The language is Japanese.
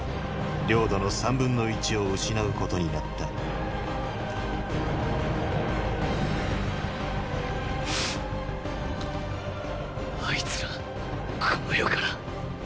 領土の３分の１を失うことになったあいつらこの世から。